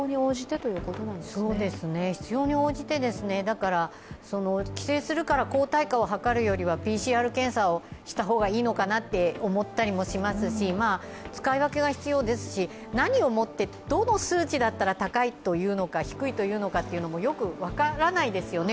必要に応じてですね、帰省するから抗体価を測るよりはＰＣＲ検査をした方がいいのかなと思ったりもしますし、使い分けが必要ですし何をもって、どの数値だったら高いのか、低いというのかというのもよく分からないですよね。